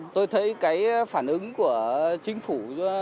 tôi thấy cái phản ứng của chính phủ